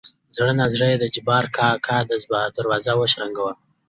زړه نازړه يې د جبار کاکا دروازه وشرنګه وه.